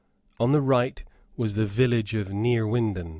On the right was the village of Neerwinden.